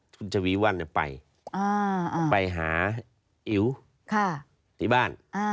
คุณชวีวันไปไปหาอิ๋วที่บ้าน